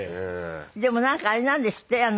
でもなんかあれなんですって？